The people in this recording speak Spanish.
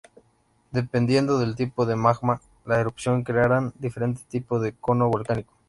Dependiendo del tipo de magma las erupciones crearan diferente tipo de cono volcánico.